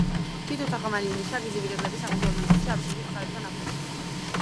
თითო თაღოვანი ნიშა გრძივი კედლების აღმოსავლეთ ნაწილშია აფსიდის მხრებთან ახლოს.